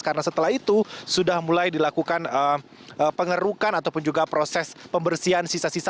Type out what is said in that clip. karena setelah itu sudah mulai dilakukan pengerukan ataupun juga proses pembersihan sisa sisa